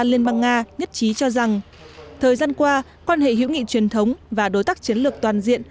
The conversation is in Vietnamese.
liên bang nga nhất trí cho rằng thời gian qua quan hệ hữu nghị truyền thống và đối tác chiến lược toàn diện